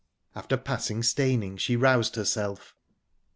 After passing Steyning, she roused herself.